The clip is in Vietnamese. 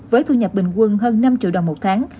với thu nhập bình quân hơn năm triệu đồng một tháng